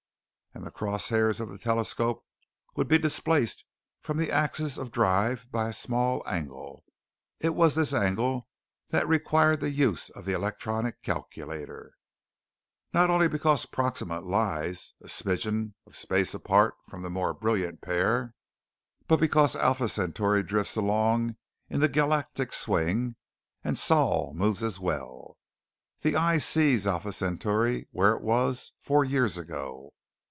And the cross hairs of the telescope would be displaced from the axis of drive by a small angle. It was this angle that required the use of the electronic calculator. Not only because Proxima lies a smidgin of space apart from the more brilliant pair, but because Alpha Centauri drifts along in the galactic swing, and Sol moves as well. The eye sees Alpha Centauri where it was four years ago.